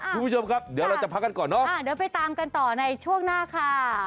คุณผู้ชมครับเดี๋ยวเราจะพักกันก่อนเนอะเดี๋ยวไปตามกันต่อในช่วงหน้าค่ะ